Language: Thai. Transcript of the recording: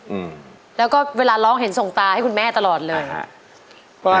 อืมแล้วก็เวลาร้องเห็นส่งตาให้คุณแม่ตลอดเลยฮะว่า